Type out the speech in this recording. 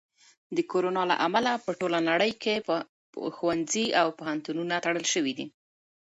د کرونا له امله په ټوله نړۍ کې ښوونځي او پوهنتونونه تړل شوي دي.